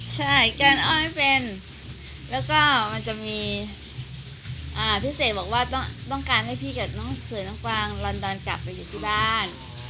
ใช่แกนอ้อยไม่เป็นแล้วก็มันจะมีพี่เสกบอกว่าต้องการให้พี่กับน้องเสือน้องกวางลอนดอนกลับไปอยู่ที่บ้าน